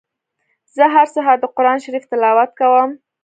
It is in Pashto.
زه هر سهار د قرآن شريف تلاوت کوم.